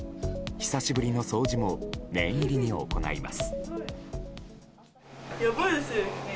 久しぶりの掃除も念入りに行います。